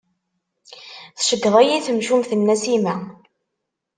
Tceggeḍ-iyi temcucmt n Nasima.